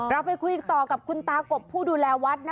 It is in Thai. เราไปคุยต่อกับคุณตากบผู้ดูแลวัดนะ